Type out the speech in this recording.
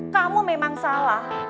kamu memang salah